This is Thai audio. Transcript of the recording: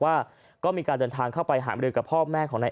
ว่าก็มีการเดินทางเข้าไปหามรือกับพ่อแม่ของนาย